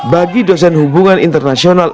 bagi dosen hubungan internasional